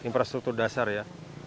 infrastruktur dasar ya